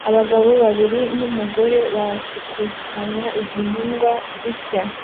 Abagabo babiri numugore bakusanya igihingwa gishya